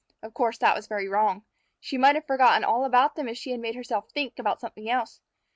Of course, that was very wrong. She might have forgotten all about them if she had made herself think about something else.